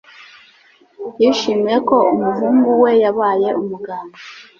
Yishimiye ko umuhungu we yabaye umuganga